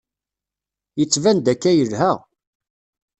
Yettban-d akka yelha.